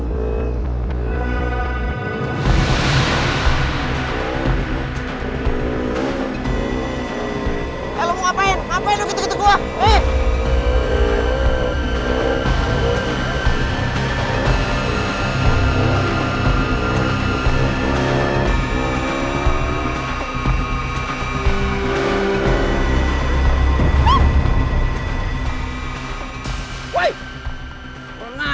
pernah ajar lu ya